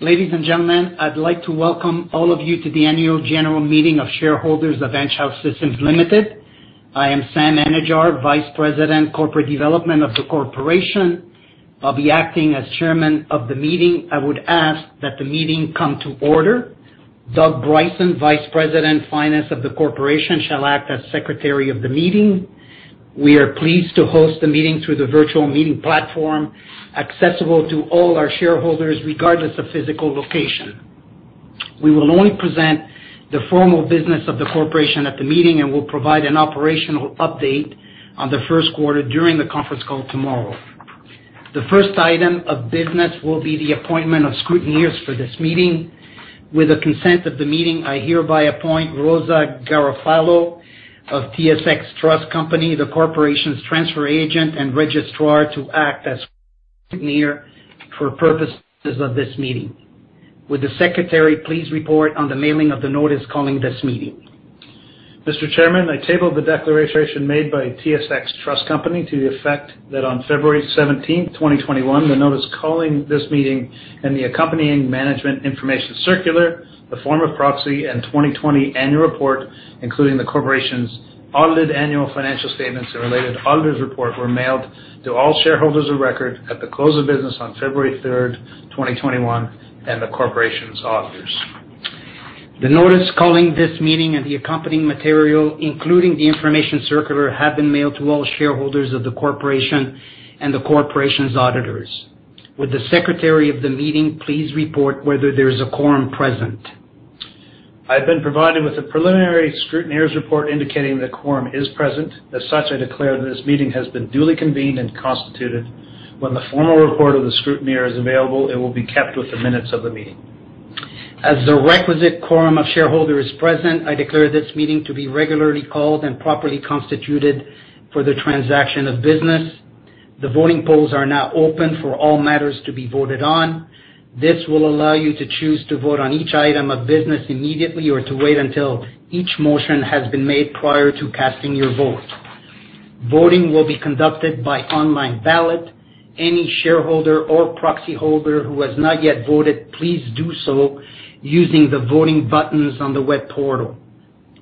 Ladies and gentlemen, I'd like to welcome all of you to the Annual General Meeting of Shareholders of Enghouse Systems Limited. I am Sam Anidjar, Vice President, Corporate Development of the Corporation. I'll be acting as Chairman of the meeting. I would ask that the meeting come to order. Doug Bryson, Vice President, Finance of the Corporation, shall act as Secretary of the meeting. We are pleased to host the meeting through the virtual meeting platform accessible to all our shareholders regardless of physical location. We will only present the formal business of the corporation at the meeting and will provide an operational update on the first quarter during the conference call tomorrow. The first item of business will be the appointment of scrutineers for this meeting. With the consent of the meeting, I hereby appoint Rosa Garofalo of TSX Trust Company, the Corporation's Transfer Agent and Registrar to act as Scrutineer for purposes of this meeting. Would the Secretary please report on the mailing of the notice calling this meeting? Mr. Chairman, I table the declaration made by TSX Trust Company to the effect that on February 17, 2021, the notice calling this meeting and the accompanying Management Information Circular, the Form of Proxy, and 2020 Annual Report, including the Corporation's Audited Annual Financial Statements and Related Auditor's Report, were mailed to all shareholders of record at the close of business on February 3, 2021, and the Corporation's Auditors. The notice calling this meeting and the accompanying material, including the information circular, have been mailed to all shareholders of the corporation and the corporation's auditors. Would the Secretary of the meeting please report whether there is a quorum present? I've been provided with a Preliminary Scrutineer's report indicating that quorum is present. As such, I declare that this meeting has been duly convened and constituted. When the formal report of the Scrutineer is available, it will be kept with the minutes of the meeting. As the requisite quorum of shareholders is present, I declare this meeting to be regularly called and properly constituted for the transaction of business. The voting polls are now open for all matters to be voted on. This will allow you to choose to vote on each item of business immediately or to wait until each motion has been made prior to casting your vote. Voting will be conducted by online ballot. Any shareholder or proxy holder who has not yet voted, please do so using the voting buttons on the web portal.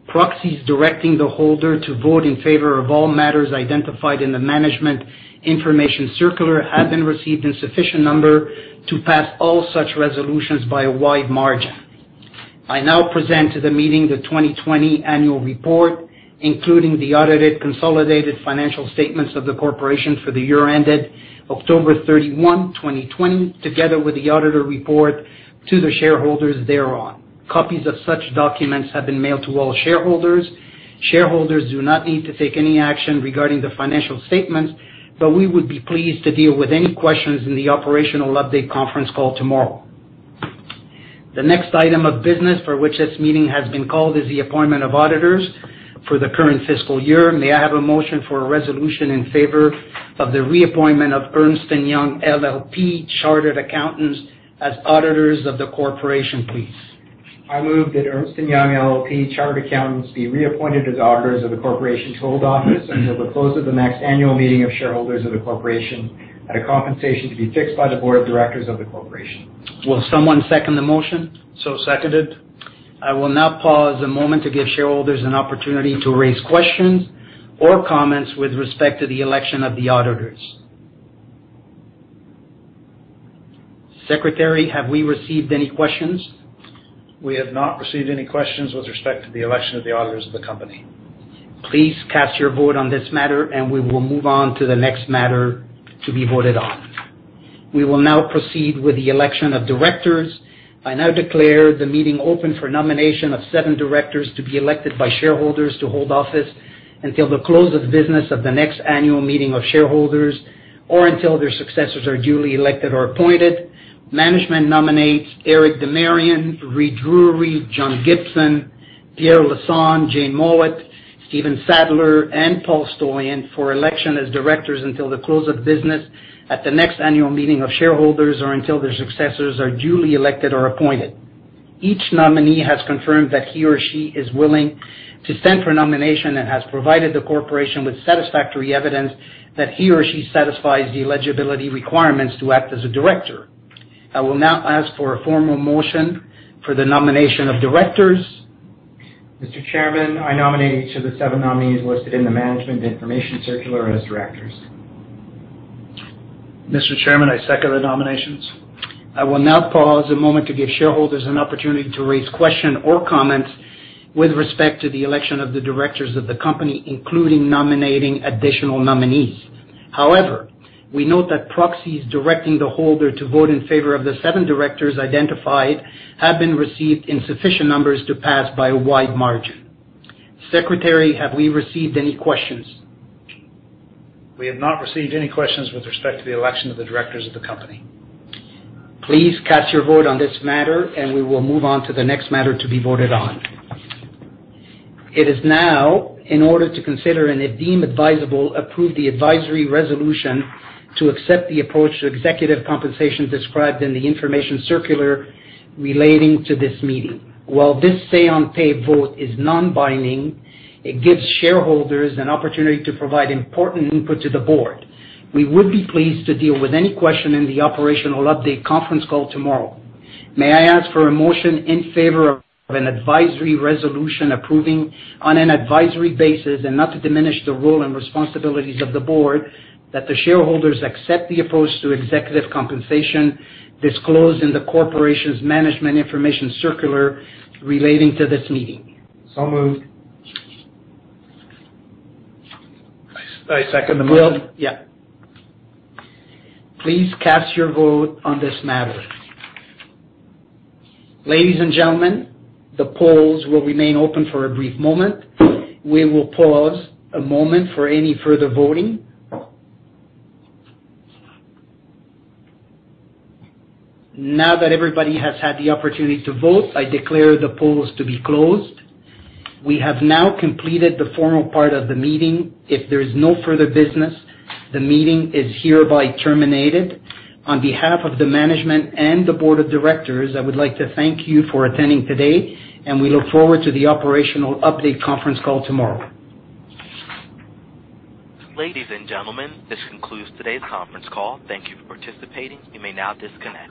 Proxies directing the holder to vote in favor of all matters identified in the Management Information Circular have been received in sufficient number to pass all such resolutions by a wide margin. I now present to the meeting the 2020 Annual Report, including the audited consolidated financial statements of the corporation for the year ended October 31, 2020, together with the auditor's report to the shareholders thereon. Copies of such documents have been mailed to all shareholders. Shareholders do not need to take any action regarding the financial statements, but we would be pleased to deal with any questions in the operational update conference call tomorrow. The next item of business for which this meeting has been called is the appointment of auditors for the current fiscal year. May I have a motion for a resolution in favor of the reappointment of Ernst & Young LLP Chartered Accountants as auditors of the corporation, please? I move that Ernst & Young LLP, Chartered Accountants, be reappointed as Auditors of the Corporation and hold office until the close of the next annual meeting of shareholders of the corporation at a compensation to be fixed by the board of directors of the corporation. Will someone second the motion? So seconded. I will now pause a moment to give shareholders an opportunity to raise questions or comments with respect to the election of the auditors. Secretary, have we received any questions? We have not received any questions with respect to the election of the Auditors of the company. Please cast your vote on this matter, and we will move on to the next matter to be voted on. We will now proceed with the election of directors. I now declare the meeting open for nomination of seven directors to be elected by shareholders to hold office until the close of business of the next annual meeting of shareholders or until their successors are duly elected or appointed. Management nominates Eric Demirian, Reid Drury, John Gibson, Pierre Lassonde, Jane Mowat, Stephen Sadler, and Paul Stoyan for election as directors until the close of business at the next annual meeting of shareholders or until their successors are duly elected or appointed. Each nominee has confirmed that he or she is willing to stand for nomination and has provided the corporation with satisfactory evidence that he or she satisfies the eligibility requirements to act as a director. I will now ask for a formal motion for the nomination of directors. Mr. Chairman, I nominate each of the seven nominees listed in the Management Information Circular as directors. Mr. Chairman, I second the nominations. I will now pause a moment to give shareholders an opportunity to raise questions or comments with respect to the election of the directors of the company, including nominating additional nominees. However, we note that proxies directing the holder to vote in favor of the seven directors identified have been received in sufficient numbers to pass by a wide margin. Secretary, have we received any questions? We have not received any questions with respect to the election of the directors of the company. Please cast your vote on this matter, and we will move on to the next matter to be voted on. It is now in order to consider and deem advisable, approved the advisory resolution to accept the approach to executive compensation described in the information circular relating to this meeting. While this say-on-pay vote is non-binding, it gives shareholders an opportunity to provide important input to the board. We would be pleased to deal with any question in the operational update conference call tomorrow. May I ask for a motion in favor of an advisory resolution approving on an advisory basis and not to diminish the role and responsibilities of the board that the shareholders accept the approach to executive compensation disclosed in the corporation's management information circular relating to this meeting? So moved. I second the motion. Will, yeah. Please cast your vote on this matter. Ladies and gentlemen, the polls will remain open for a brief moment. We will pause a moment for any further voting. Now that everybody has had the opportunity to vote, I declare the polls to be closed. We have now completed the formal part of the meeting. If there is no further business, the meeting is hereby terminated. On behalf of the management and the board of directors, I would like to thank you for attending today, and we look forward to the operational update conference call tomorrow. Ladies and gentlemen, this concludes today's conference call. Thank you for participating. You may now disconnect.